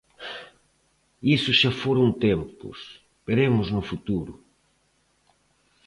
Iso xa foron tempos, veremos no futuro.